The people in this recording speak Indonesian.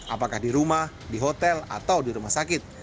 apakah di rumah di hotel atau di rumah sakit